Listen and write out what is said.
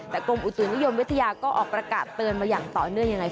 แต่กรมอุตุนิยมวิทยาก็ออกประกาศเตือนมาอย่างต่อเนื่องยังไง